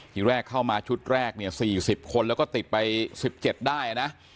ทีแรกเข้ามาชุดแรกเนี่ย๔๐คนแล้วก็ติดไป๑๗ได้นะ